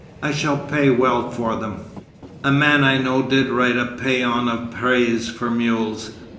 I shall pay well for them. A man I know did write a pæan of praise for mules.